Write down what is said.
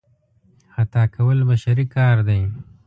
خطا کول بشري کار دی.